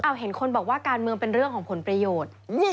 เห็นคนบอกว่าการเมืองเป็นเรื่องของผลประโยชน์